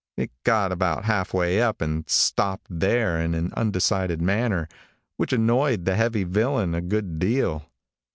It got about half way up, and stopped there in an undecided manner, which annoyed the heavy villain a good deal.